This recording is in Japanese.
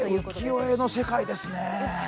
これ、浮世絵の世界ですね。